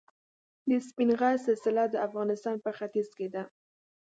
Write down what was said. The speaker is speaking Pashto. د سپین غر سلسله د افغانستان په ختیځ کې ده.